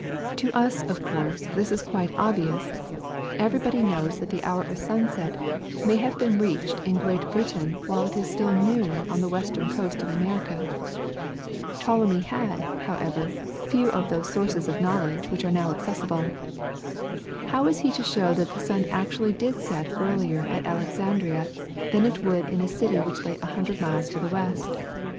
To us, of course, this is quite obvious; everybody knows that the hour of sunset may have been reached in Great Britain while it is still noon on the western coast of America. Ptolemy had, however, few of those sources of knowledge which are now accessible. How was he to show that the sun actually did set earlier at Alexandria than it would in a city which lay a hundred miles to the west?